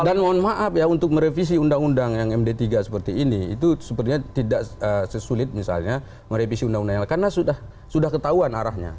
dan mohon maaf ya untuk merevisi undang undang yang md tiga seperti ini itu sebetulnya tidak sesulit misalnya merevisi undang undang yang lain karena sudah ketahuan arahnya